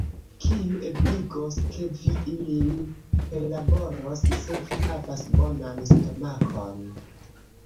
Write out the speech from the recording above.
Kiu ebligos, ke vi ilin perlaboros, se vi havas bonan stomakon.